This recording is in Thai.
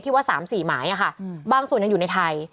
ว่า๓๔หมายบางส่วนยังอยู่ในไทย